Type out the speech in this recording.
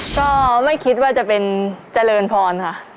ก็ไม่คิดว่าจะเป็นเจริญพรค่ะ